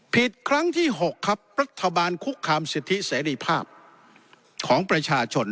ครั้งที่๖ครับรัฐบาลคุกคามสิทธิเสรีภาพของประชาชน